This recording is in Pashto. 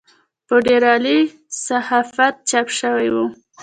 په ډېر عالي صحافت چاپ شوې وه.